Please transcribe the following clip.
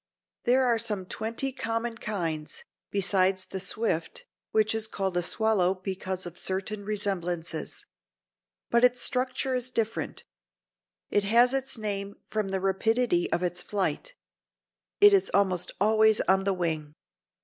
There are some twenty common kinds, beside the Swift, which is called a swallow because of certain resemblances. But its structure is different. It has its name from the rapidity of its flight. It is almost always on the wing.